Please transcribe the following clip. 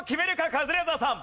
カズレーザーさん。